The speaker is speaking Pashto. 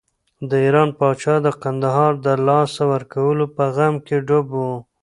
د ایران پاچا د کندهار د لاسه ورکولو په غم کې ډوب و.